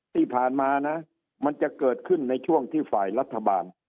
ที่ผ่านมานะมันจะเกิดขึ้นในช่วงที่ฝ่ายรัฐบาล